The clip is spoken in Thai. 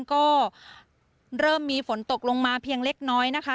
ก็เริ่มมีฝนตกลงมาเพียงเล็กน้อยนะคะ